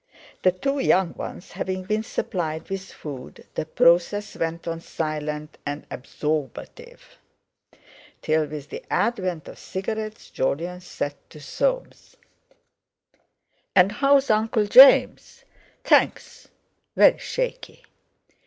The two young ones having been supplied with food, the process went on silent and absorbative, till, with the advent of cigarettes, Jolyon said to Soames: "And how's Uncle James?" "Thanks, very shaky."